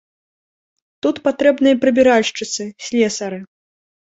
Тут патрэбныя прыбіральшчыцы, слесары.